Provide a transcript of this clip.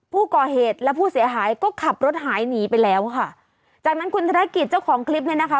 ผู้ก่อเหตุและผู้เสียหายก็ขับรถหายหนีไปแล้วค่ะจากนั้นคุณธนกิจเจ้าของคลิปเนี่ยนะคะ